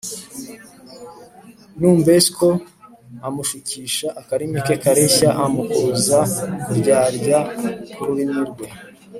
numbersko amushukisha akarimi ke kareshya, amukuruza kuryarya k’ururimi rwe